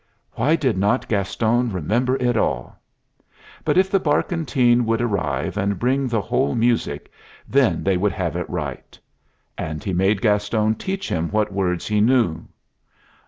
Why did not Gaston remember it all? But if the barkentine would arrive and bring the whole music, then they would have it right! And he made Gaston teach him what words he knew.